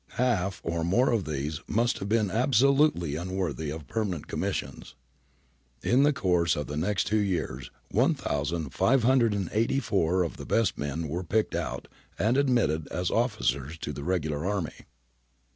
Half or more of these must have been ab solutely unworthy of permanent commissions. In the course of the next two years 1584 of the best men were picked out and admitted as officers to the regular army.